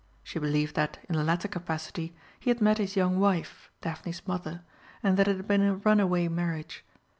She believed that, in the latter capacity, he had met his young wife, Daphne's mother, and that it had been a runaway marriage.